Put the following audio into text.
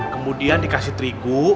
kemudian dikasih terigu